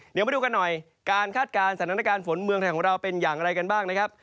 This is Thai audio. เดี๋ยวมาดูกันหน่อยการคาดการณ์สถานการณ์ฝนเมืองไทยของเราเป็นอย่างไรกันบ้างนะครับ